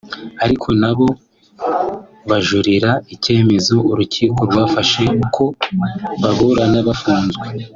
ariko nabo bajuririra icyemezo urukiko rwafashe ko baburana bafunzwe